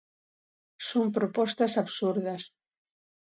Son propostas absurdas.